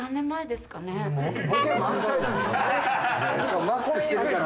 しかもマスクしてるから。